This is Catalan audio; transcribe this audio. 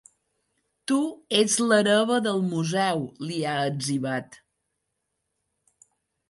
Tu ets l'hereva del museu, li ha etzibat.